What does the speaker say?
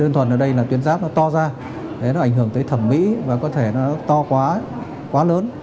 đơn thuần ở đây là tuyến giáp nó to ra nó ảnh hưởng tới thẩm mỹ và có thể nó to quá lớn